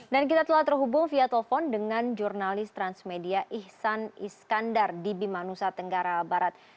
dan kita telah terhubung via telepon dengan jurnalis transmedia ihsan iskandar di bimanusa tenggara barat